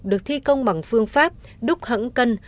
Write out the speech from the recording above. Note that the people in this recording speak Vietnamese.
được thi công bằng phương pháp đúc hẳn cân